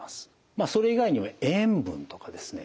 まあそれ以外にも塩分とかですね